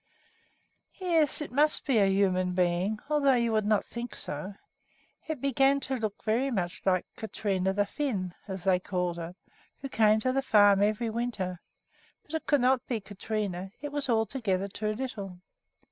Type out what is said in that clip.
Yes, it must be a human being, although you would not think so. It began to look very much like "Katrine the Finn," as they called her, who came to the farm every winter; but it could not be Katrine it was altogether too little.